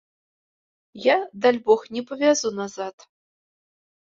Я, дальбог, не павязу назад!